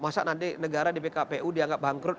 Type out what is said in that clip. masa nanti negara di pkpu dianggap bangkrut